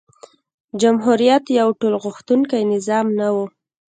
جمهوریت یو ټولغوښتونکی نظام نه و.